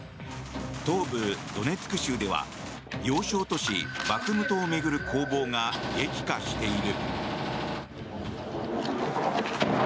東部ドネツク州では要衝都市バフムトを巡る攻防が激化している。